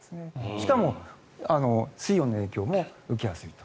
しかも、水温の影響も受けやすいと。